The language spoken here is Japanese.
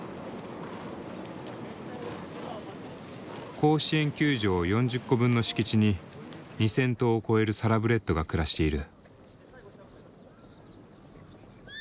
甲子園球場４０個分の敷地に２，０００頭を超えるサラブレッドが暮らしている。